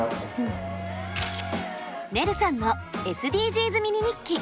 ねるさんのＳＤＧｓミニ日記。